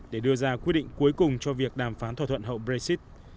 để đưa ra quyết định cuối cùng cho việc đàm phán thỏa thuận hậu brexit